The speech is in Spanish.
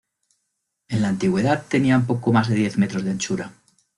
En la antigüedad tenían poco más de diez metros de anchura.